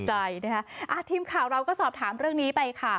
สวัสดีสวัสดีสวัสดีสวัสดีสวัสดีสวัสดี